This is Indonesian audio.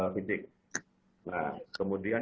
fisik nah kemudian